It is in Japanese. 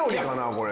これ。